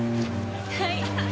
はい。